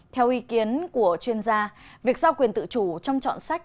theo ý kiến của chuyên gia việc giao quyền tự chủ trong chọn sách